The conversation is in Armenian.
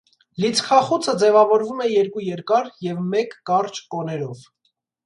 Լիցքախուցը ձևավորվում է երկու երկար և մեկ կարճ կոներով։